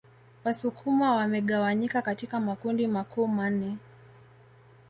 Wasukuma wamegawanyika katika makundi makuu manne